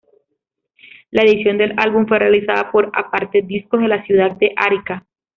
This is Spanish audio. La edición del álbum fue realizada por Aparte discos de la ciudad de Arica.